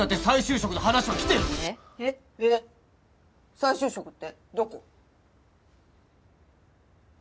再就職ってどこ？